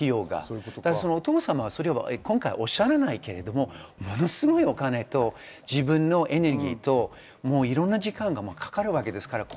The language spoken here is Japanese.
お父様は今回おっしゃらないけれど、ものすごいお金とエネルギーといろんな時間がかかります。